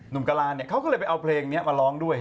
กะลาเนี่ยเขาก็เลยไปเอาเพลงนี้มาร้องด้วย